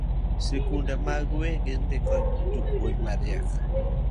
Sikunde mag wegi ndiko jopuonj mariek